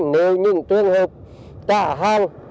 nếu có trường hợp tả hang